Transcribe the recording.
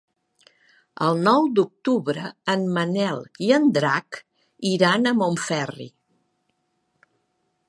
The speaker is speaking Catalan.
El nou d'octubre en Manel i en Drac iran a Montferri.